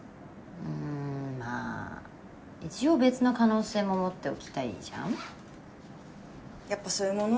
うんまぁ一応別の可能性も持っておきたいじゃんやっぱそういうもの？